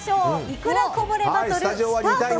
いくらこぼれバトルスタート！